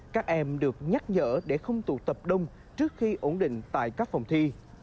các em được nhắc nhở để không tụ tập đông trước khi ổn định tại các phòng thi